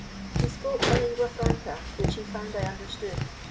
He spoke a lingua franca, which he found I understood.